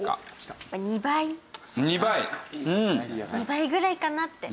２倍ぐらいかなって。